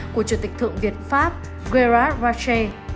của chủ tịch thượng việt pháp gérard rache